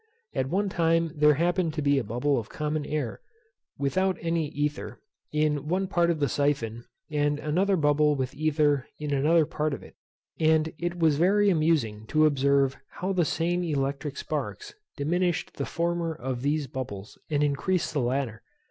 At one time there happened to be a bubble of common air, without any ether, in one part of the syphon, and another bubble with ether in another part of it; and it was very amusing to observe how the same electric sparks diminished the former of these bubbles, and increased the latter.